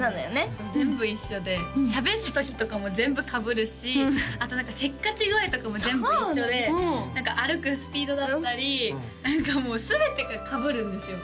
そう全部一緒でしゃべる時とかも全部かぶるしあと何かせっかち具合とかも全部一緒で何か歩くスピードだったり何かもう全てがかぶるんですよ